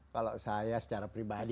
kalau saya secara pribadi